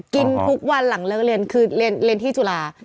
กินทุกวันหลังเลิกเรียนคือเรียนที่จุฬา